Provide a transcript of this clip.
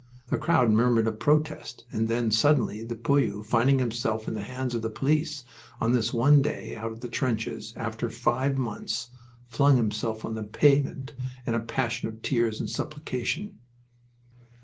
The crowd murmured a protest, and then suddenly the poilu, finding himself in the hands of the police, on this one day out of the trenches after five months flung himself on the pavement in a passion of tears and supplication.